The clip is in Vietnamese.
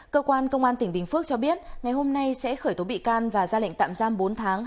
cơ quan công an tỉnh bình phước cho biết ngày hôm nay sẽ khởi tố bị can và ra lệnh tạm giam bốn tháng